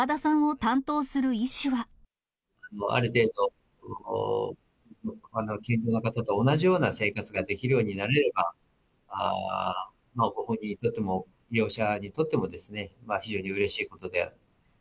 ある程度、健常の方と同じような生活ができるようになれば、ご本人にとっても、医者にとっても、非常にうれしいことである。